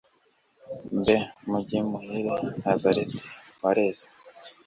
mbe mujyi muhire nazareti, wareze